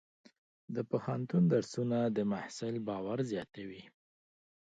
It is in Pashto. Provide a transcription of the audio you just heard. د پوهنتون درسونه د محصل باور زیاتوي.